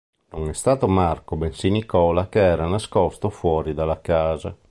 Non è stato Marco bensì Nicola che era nascosto fuori dalla casa.